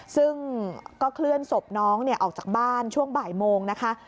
ซึ่งก็เคลื่อนศพน้องออกจากบ้านช่วงบ่ายโมงนะคะ